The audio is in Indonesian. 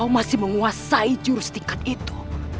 masih menguasai jurus tingkat itu